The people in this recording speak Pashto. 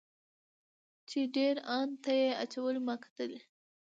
چې ډیر ان ته یې اچولې ما کتلی.